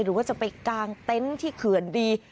หรือว่าจะไปกางเต็นต์ที่เขื่อนดี